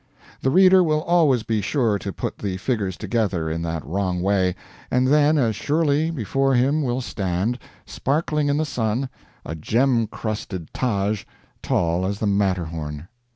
The reader will always be sure to put the figures together in that wrong way, and then as surely before him will stand, sparkling in the sun, a gem crusted Taj tall as the Matterhorn.